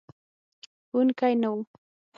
ښوونکی نه و.